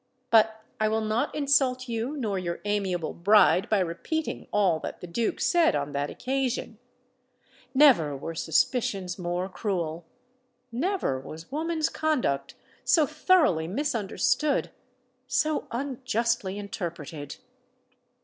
But I will not insult you nor your amiable bride by repeating all that the Duke said on that occasion. Never were suspicions more cruel: never was woman's conduct so thoroughly misunderstood—so unjustly interpreted!